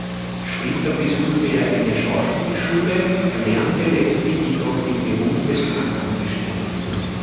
Später besuchte er eine Schauspielschule, erlernte letztlich jedoch den Beruf des Bankangestellten.